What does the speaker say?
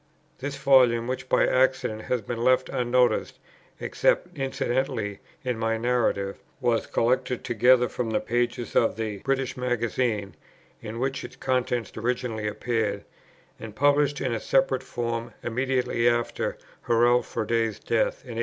This volume, which by accident has been left unnoticed, except incidentally, in my Narrative, was collected together from the pages of the "British Magazine," in which its contents originally appeared, and published in a separate form, immediately after Hurrell Froude's death in 1836.